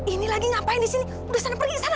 ini lagi ngapain disini udah sana pergi sana